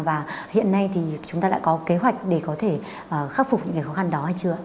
và hiện nay thì chúng ta đã có kế hoạch để có thể khắc phục những cái khó khăn đó hay chưa